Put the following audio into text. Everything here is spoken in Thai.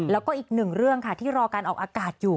แล้วก็อีกหนึ่งเรื่องค่ะที่รอการออกอากาศอยู่